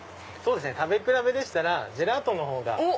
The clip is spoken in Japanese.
食べ比べでしたらジェラートのほうが。